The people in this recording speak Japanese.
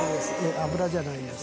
油じゃないんです。